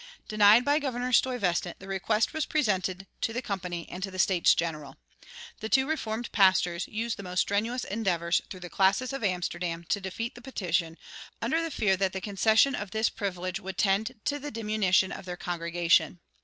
Denied by Governor Stuyvesant, the request was presented to the Company and to the States General. The two Reformed pastors used the most strenuous endeavors through the classis of Amsterdam to defeat the petition, under the fear that the concession of this privilege would tend to the diminution of their congregation.